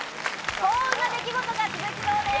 幸運な出来事が続きそうです。